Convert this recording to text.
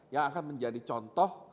yang akan menjadi contoh